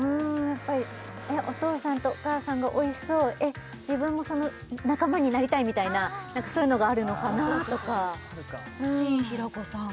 やっぱりお父さんとお母さんがおいしそうえっ自分もその仲間になりたいみたいな何かそういうのがあるのかなとかＣ平子さん